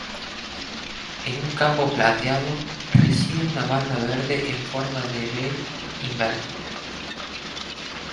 En un campo plateado, reside una banda verde en forma "V" invertida.